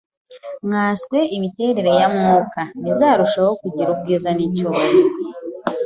nkanswe imitegekere ya Mwuka! Ntizarushaho kugira ubwiza n’icyubahiro